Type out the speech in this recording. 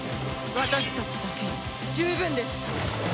私たちだけで十分です！